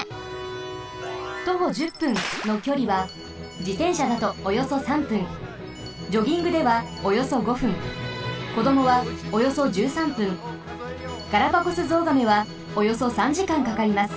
「徒歩１０分」のきょりはじてんしゃだとおよそ３分ジョギングではおよそ５分こどもはおよそ１３分ガラパゴスゾウガメはおよそ３時間かかります。